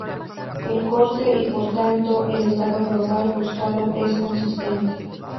El corte, y por tanto, el estado global buscado, es consistente.